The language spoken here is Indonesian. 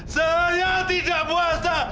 saya tidak puasa